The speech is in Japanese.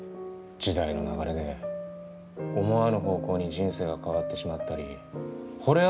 時代の流れで思わぬ方向に人生が変わってしまったりほれ